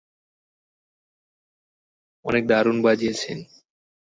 অনেক দারুণ বাজিয়েছেন।